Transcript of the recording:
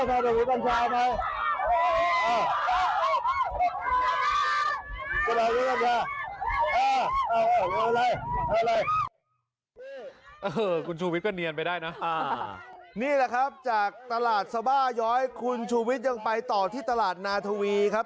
แหละครับจากตลาดสบาย้อยคุณชูวิทย์ยังไปต่อที่ตลาดหนาทวีครับ